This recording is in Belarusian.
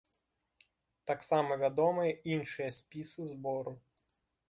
Таксама вядомыя іншыя спісы збору.